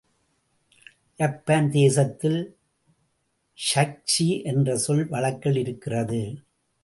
Japan தேசத்தில் ஷக்சி என்ற சொல், வழக்கில் இருக்கிறது.